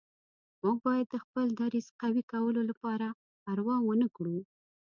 موږ باید د خپل دریځ قوي کولو لپاره پروا ونه کړو.